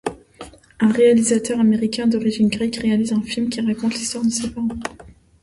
Un réalisateur américain d'origine grecque réalise un film qui raconte l'histoire de ses parents.